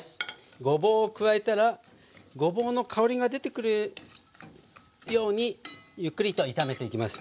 ごぼうを加えたらごぼうの香りが出てくるようにゆっくりと炒めていきます。